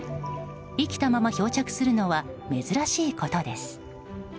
生きたまま漂着するのは珍しいことです。